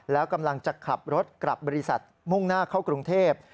แล้วกำลังจะขับรถกลับบริษัทมุ่งหน้าเข้ากรุงเทพ